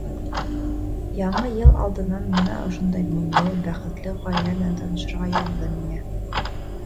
Яңы йыл алдынан бына ошондай моңло, бәхетле ғаилә менән танышырға яҙҙы миңә.